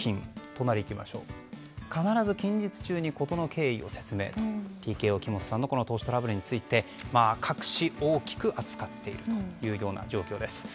隣、必ず近日中に事の経緯を説明とＴＫＯ木本さんの投資トラブルについて各紙大きく扱っているというような状況です。